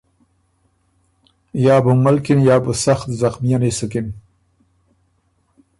یا بو ملکِن یا بُو سخت زخمئنی سُکِن۔